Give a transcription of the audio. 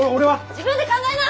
自分で考えな！